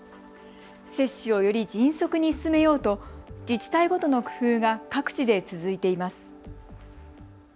接種をより迅速に進めようと自治体ごとの工夫が各地で続いています。